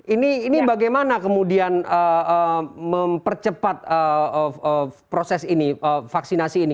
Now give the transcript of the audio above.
ini bagaimana kemudian mempercepat proses ini vaksinasi ini